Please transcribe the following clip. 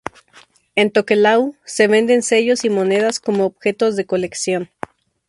En Tokelau se venden sellos y monedas como objetos de colección.